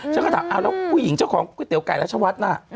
ฉันก็ถามแล้วผู้หญิงเจ้าของก๋วยเตี๋ไก่รัชวัฒน์น่ะ